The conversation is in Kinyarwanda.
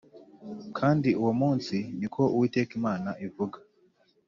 Kandi uwo munsi, ni ko Uwiteka Imana ivuga